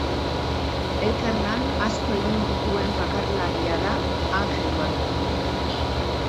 Elkarlan asko egin dituen bakarlaria da Anje Duhalde.